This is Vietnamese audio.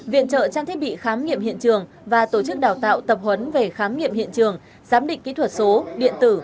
viện trợ trang thiết bị khám nghiệm hiện trường và tổ chức đào tạo tập huấn về khám nghiệm hiện trường giám định kỹ thuật số điện tử